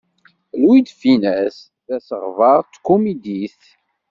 Louis de Funès d asegbar n tkumidit.